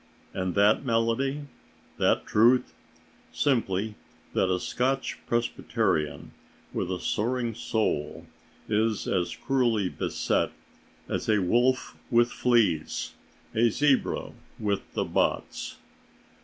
And that malady? That truth? Simply that a Scotch Presbyterian with a soaring soul is as cruelly beset as a wolf with fleas, a zebra with the botts.